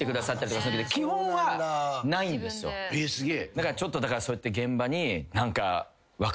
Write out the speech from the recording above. だからちょっとそうやって。